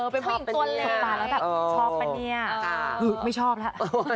ชอบเป็นเนี่ยไม่ชอบละ